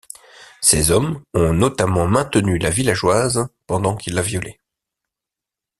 Ses hommes ont notamment maintenu la villageoise pendant qu'il la violait.